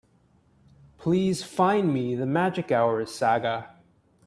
Please find me the Magic Hour saga.